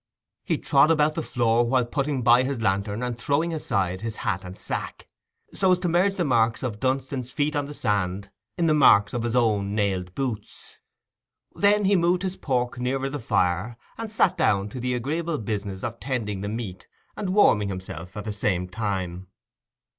He trod about the floor while putting by his lantern and throwing aside his hat and sack, so as to merge the marks of Dunstan's feet on the sand in the marks of his own nailed boots. Then he moved his pork nearer to the fire, and sat down to the agreeable business of tending the meat and warming himself at the same time.